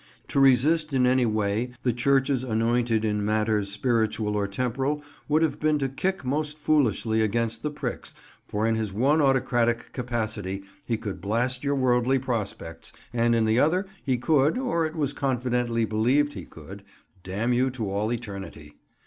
To resist in any way the Church's anointed in matters spiritual or temporal would have been to kick most foolishly against the pricks, for in his one autocratic capacity he could blast your worldly prospects, and in the other he could (or it was confidently believed he could) damn you to all eternity.